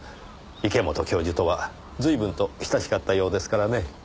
池本教授とは随分と親しかったようですからね。